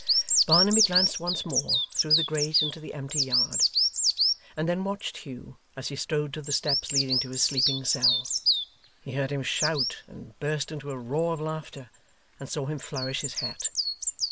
Barnaby glanced once more through the grate into the empty yard; and then watched Hugh as he strode to the steps leading to his sleeping cell. He heard him shout, and burst into a roar of laughter, and saw him flourish his hat.